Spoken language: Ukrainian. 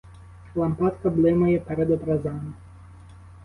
Лампадка блимає перед образами.